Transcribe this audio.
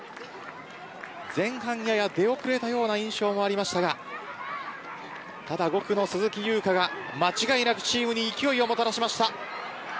前半やや出遅れたような印象もありましたがただ５区の鈴木優花が間違いなくチームに勢いをもたらしました。